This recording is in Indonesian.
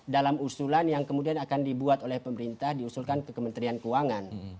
dalam usulan yang kemudian akan dibuat oleh pemerintah diusulkan ke kementerian keuangan